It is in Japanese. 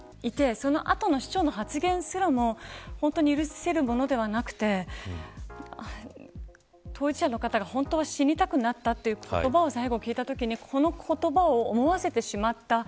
市長さえもそこにいてその後の市長の発言すらも許せるものではなくて当事者の方が、本当は死にたくなったという言葉を最後に聞いたときにこの言葉を思わせてしまった。